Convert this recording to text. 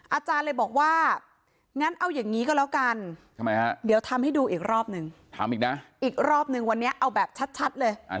อาจารย์เลยบอกว่างั้นเอาอย่างนี้ก็แล้วกันเดี๋ยวทำให้ดูอีกรอบนึงทำอีกนะอีกรอบนึงวันนี้เอาแบบชัดเลย